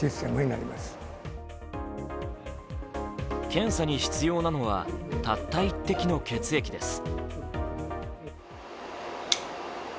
検査に必要なのはたった１滴の血液です。